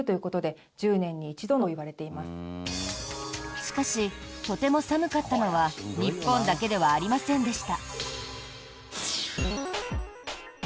しかし、とても寒かったのは日本だけではありませんでした。